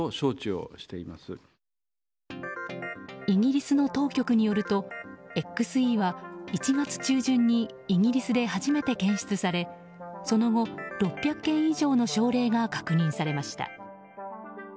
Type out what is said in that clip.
イギリスの当局によるとＸＥは１月中旬にイギリスで初めて検出されその後、６００件以上の症例が確認されました。